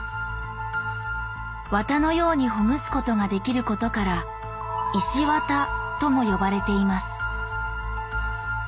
綿のようにほぐすことができることから「石綿」とも呼ばれています